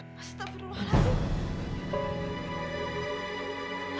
masih tak perlu nolong lagi